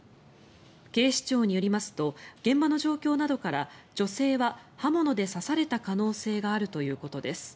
警視庁によりますと現場の状況などから女性は刃物で刺された可能性があるということです。